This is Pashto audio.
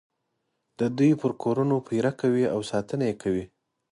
د دوی پر کورونو پېره کوي او ساتنه یې کوي.